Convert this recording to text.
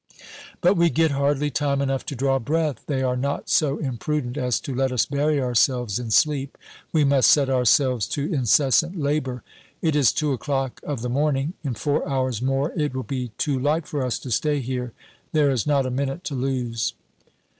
But we get hardly time enough to draw breath. They are not so imprudent as to let us bury ourselves in sleep. We must set ourselves to incessant labor. It is two o'clock of the morning; in four hours more it will be too light for us to stay here. There is not a minute to lose.